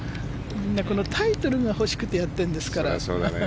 タイトルが欲しくてやってるんですからね。